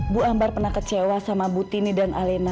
bu ambar pernah kecewa sama butini dan alia